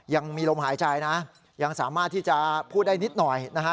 ยังมีลมหายใจนะยังสามารถที่จะพูดได้นิดหน่อยนะฮะ